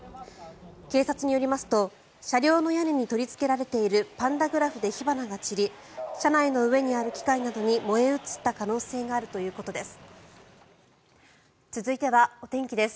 警察によりますと車両の屋根に取りつけられているパンタグラフで火花が散り車内の上にある機械などに燃え移った可能性があるということです。